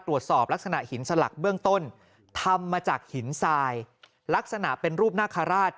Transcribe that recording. ตรวจสอบลักษณะหินสลักเบื้องต้นทำมาจากหินทรายลักษณะเป็นรูปนาคาราช